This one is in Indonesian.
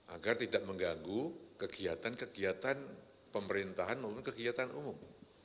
agar tidak mengganggu kegiatan kegiatan pemerintahan maupun kegiatan umum